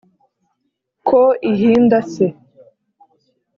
Ko ihinda se